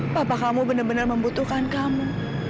papa kamu benar benar membutuhkan kamu